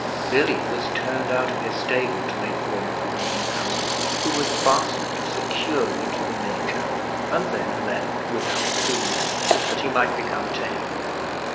Billy was turned out of his stable to make room for the new comer, who was fastened securely to the manger and then left without food, that he might become tame.